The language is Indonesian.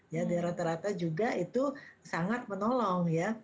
ya rata rata juga itu sangat menolong ya